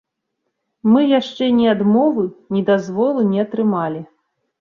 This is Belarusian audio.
Мы яшчэ ні адмовы, ні дазволу не атрымалі.